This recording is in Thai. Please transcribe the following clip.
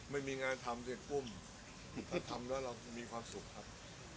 ไม่มีงานทำเสร็จอุ้มถ้าทำแล้วเรามีความสุขครับ